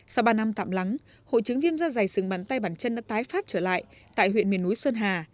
sau ba năm tạm lắng hội chứng viêm da dày sừng bàn tay bản chân đã tái phát trở lại tại huyện miền núi sơn hà